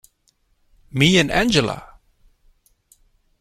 Me and Angela?